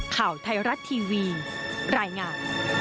ข่าวไทยรัฐทีวีรายงาน